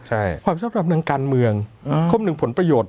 ใช่ความสัภรภรรณการเมืองอืมคว่ามนึงผลประโยชน์